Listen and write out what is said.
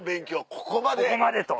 ここまでと。